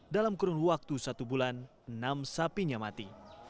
dalam kurun waktu satu bulan enam sapinya mati